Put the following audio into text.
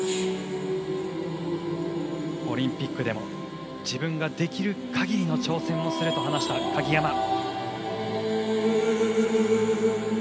オリンピックでも自分ができる限りの挑戦をすると話した鍵山。